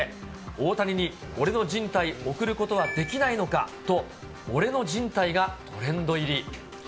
大谷に俺のじん帯送ることはできないのかと、俺のじん帯がトレンド入り。